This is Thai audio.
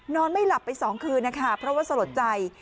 นอนไม่หลับไป๒คืนนะคะเพราะว่าสลดใจ